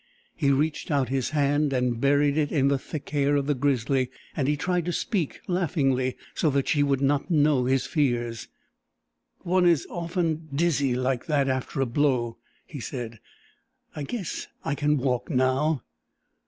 He reached out his hand and buried it in the thick hair of the grizzly, and he tried to speak laughingly so that she would not know his fears. "One is often dizzy like that after a blow," he said, "I guess I can walk now."